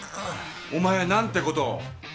お前何てことを。